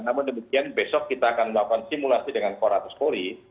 namun demikian besok kita akan melakukan simulasi dengan korataspori